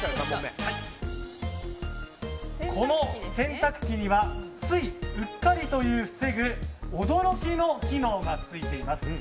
この洗濯機にはついうっかりを防ぐ驚きの機能がついています。